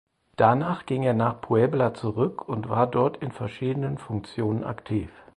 Danach ging er nach Puebla zurück und war dort in verschiedenen Funktionen aktiv.